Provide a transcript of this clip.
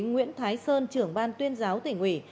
nguyễn thái sơn trưởng ban tuyên giáo tỉnh ủy